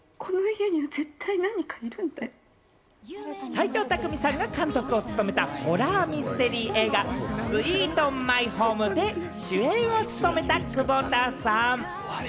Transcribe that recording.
齊藤工さんが監督を務めたホラーミステリー映画『スイート・マイホーム』で主演を務めた窪田さん。